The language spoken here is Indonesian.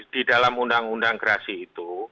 di dalam undang undang gerasi itu